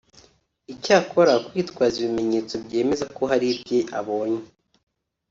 Icyakora kwitwaza ibimenyetso byemeza ko hari ibye abonye